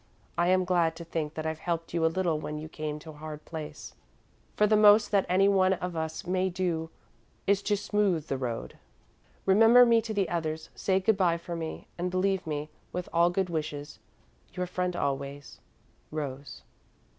I am glad to think that I've helped you a little when you came to a hard place, for the most that any one of us may do for another is to smooth the road. "Remember me to the others, say good bye for me, and believe me, with all good wishes, "Your friend always, "ROSE."